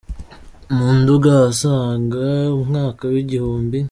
mu Nduga; ahasaga umwaka w’igihumbi